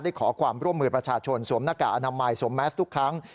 ขอความร่วมมือประชาชนสวมหน้ากากอนามัยสวมแมสทุกครั้ง